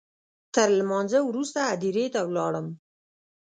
تر لمانځه وروسته هدیرې ته ولاړم.